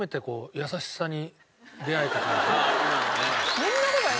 優しさに。